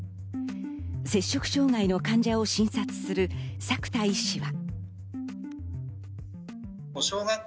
摂食障害の患者を診察する作田医師は。